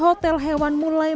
hiburan lebaran banyak juga